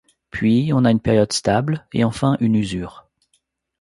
Puis, on a une période stable, et enfin une usure.